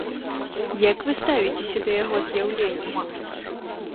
Як вы ставіцеся да яго з'яўлення?